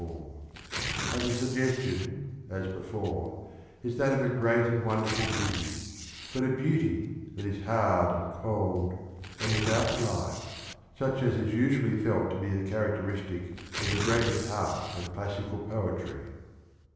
594) and the suggestion, as before, is that of a great and wonderful beauty, but a beauty that is hard and cold and without life, such as is usually felt to be the characteristic of the greater part of classical poetry.